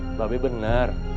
mbak be bener